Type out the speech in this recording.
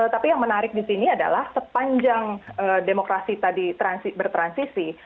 tapi yang menarik di sini adalah sepanjang demokrasi tadi bertransisi